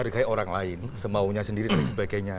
hargai orang lain semaunya sendiri dan sebagainya